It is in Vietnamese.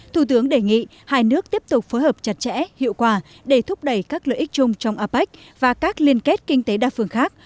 thủ tướng đề nghị hai nước tiếp tục phối hợp chặt chẽ hiệu quả để thúc đẩy các lợi ích chung trong apec và các liên kết kinh tế đa phương khác